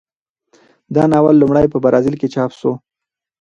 دا ناول لومړی په برازیل کې چاپ شو.